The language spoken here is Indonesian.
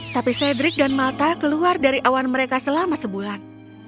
tapi sedrik dan malta keluar dari awan mereka selama sebulan